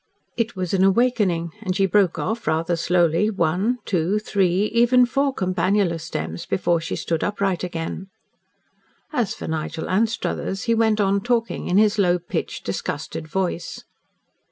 It was an awakening, and she broke off, rather slowly, one two three even four campanula stems before she stood upright again. As for Nigel Anstruthers he went on talking in his low pitched, disgusted voice.